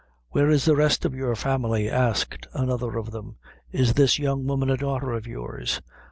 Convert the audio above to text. "Where is the rest of your family?" asked another of them; "is this young woman a daughter of yours?"